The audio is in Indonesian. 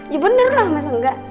ya bener lah masa enggak